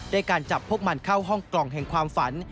การจับพวกมันเข้าห้องกล่องแห่งความฝัน